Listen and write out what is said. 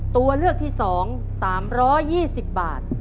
ตัวเลือกที่๒๓๒๐บาท